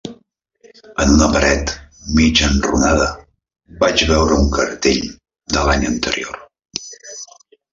En una paret mig enrunada vaig veure un cartell de l'any anterior